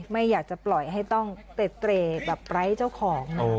ไม่อยากจะปล่อยให้ต้องเตรแบบไร้เจ้าของนะ